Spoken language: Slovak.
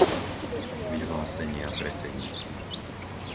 Vyhlásenia predsedníctva